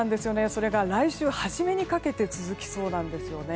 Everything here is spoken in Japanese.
それが来週初めにかけて続きそうなんですよね。